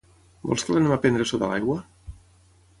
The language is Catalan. Vols que l'anem a prendre sota l'aigua?